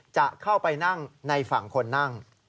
จะเข้าไปนั่งในฝั่งคนนั่ง